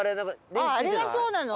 あああれがそうなの？